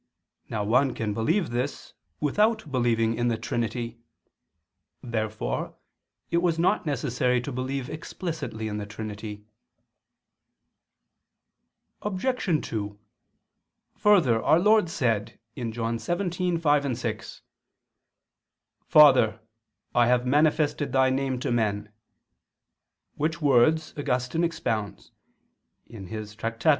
Now one can believe this without believing in the Trinity. Therefore it was not necessary to believe explicitly in the Trinity. Obj. 2: Further our Lord said (John 17:5, 6): "Father, I have manifested Thy name to men," which words Augustine expounds (Tract.